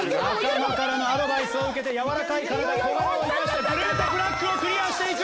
仲間からのアドバイスを受けてやわらかい体小柄を生かしてブルーとブラックをクリアしていく！